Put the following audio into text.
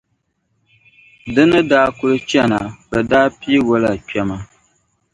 Di ni daa kuli chana, bɛ daa piigi o la kpɛma.